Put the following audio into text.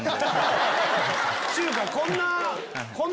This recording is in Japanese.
ちゅうかこんな。